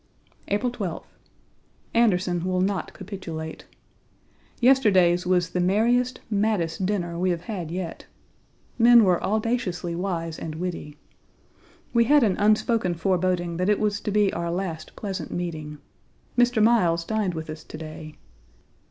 April 12th. Anderson will not capitulate. Yesterday's was the merriest, maddest dinner we have had yet. Men were audaciously wise and witty. We had an unspoken foreboding that it was to be our last pleasant meeting. Mr. Miles dined with us to day.